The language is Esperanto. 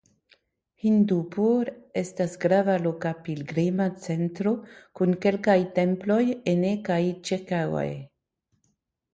Hindupur estas grava loka pilgrima centro kun kelkaj temploj ene kaj ĉirkaŭe.